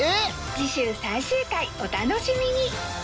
次週最終回お楽しみに！